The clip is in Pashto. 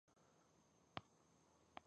افغانستان د دځنګل حاصلات له امله شهرت لري.